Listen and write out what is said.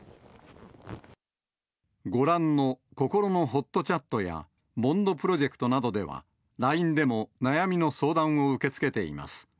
ご覧のこころのほっとチャットや、ＢＯＮＤプロジェクトなどではＬＩＮＥでも悩みの相談を受け付けています。